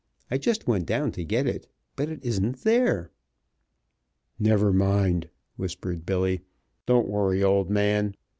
I just went down, to get it, but it isn't there." "Never mind," whispered Billy. "Don't worry, old man.